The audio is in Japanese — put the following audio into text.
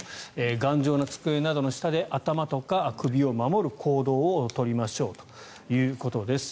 頑丈な机などの下で頭とか首を守る行動を取りましょうということです。